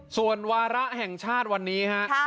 ส่วนวาระแห่งชาติวันนี้ฮะ